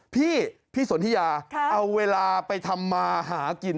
พี่พี่สนทิยาเอาเวลาไปทำมาหากิน